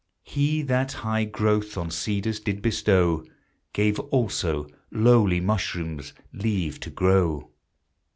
He that high growth on cedars did bestow, Gave also lowly mushrooms leave to grow.